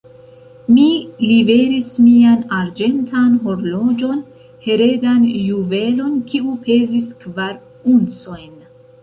Mi liveris mian arĝentan horloĝon, heredan juvelon, kiu pezis kvar uncojn.